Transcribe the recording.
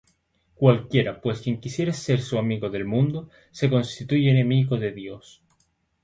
Cualquiera pues que quisiere ser amigo del mundo, se constituye enemigo de Dios.